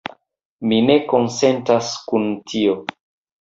Mi ne konsentas kun tio.